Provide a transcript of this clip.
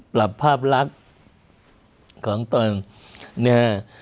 ปรับภาพลักษณ์ของตนนะฮะ